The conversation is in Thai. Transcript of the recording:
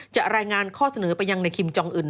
รายงานข้อเสนอไปยังในคิมจองอื่น